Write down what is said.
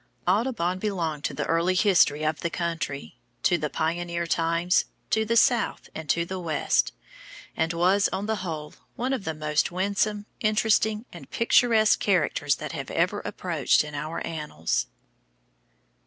Audubon belonged to the early history of the country, to the pioneer times, to the South and the West, and was, on the whole, one of the most winsome, interesting, and picturesque characters that have ever appeared in our annals.